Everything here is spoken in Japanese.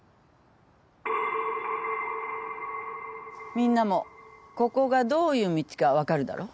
みんなもここがどういう道か分かるだろ。